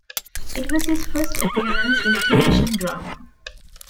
It was his first appearance in a television drama.